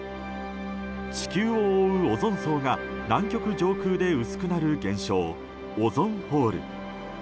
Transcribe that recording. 地球を覆うオゾン層が南極上空で薄くなる現象オゾンホール。